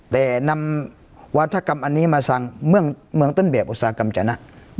แต่นำวาธกรรมอันนี้มาสั่งเมืองต้นแบบอุตสาหกรรมจนะ